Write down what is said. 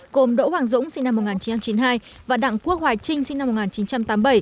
gồm đỗ hoàng dũng sinh năm một nghìn chín trăm chín mươi hai và đặng quốc hoài trinh sinh năm một nghìn chín trăm tám mươi bảy